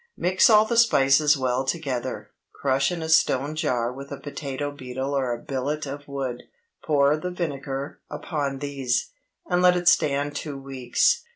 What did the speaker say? Mix all the spices well together; crush in a stone jar with a potato beetle or billet of wood; pour the vinegar upon these, and let it stand two weeks.